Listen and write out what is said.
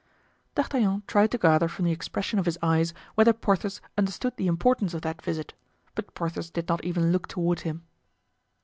D'Artagnan tried to gather from the expression of his eyes whether Porthos understood the importance of that visit, but Porthos did not even look toward him.